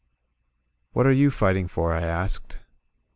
"What are you fighting for?" I asked.